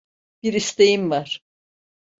Bir isteğim var.